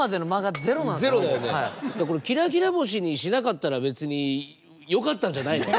これ「きらきら星」にしなかったら別によかったんじゃないの？